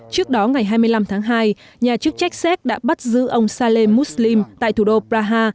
trước đó ngày hai mươi năm tháng hai nhà chức trách xéc đã bắt giữ ông saleh mouslim tại thủ đô praha